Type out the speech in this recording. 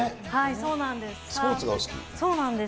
そうなんです。